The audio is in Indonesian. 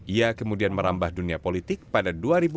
ia kemudian merambah dunia politik pada dua ribu empat belas